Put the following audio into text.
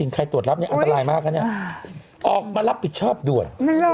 ใครตรวจรับนี้อันตรายมากออกมารับผิดชอบด้วย